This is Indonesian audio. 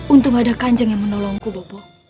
untung ada kanjung yang menolongku bopo